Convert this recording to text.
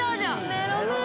メロメロ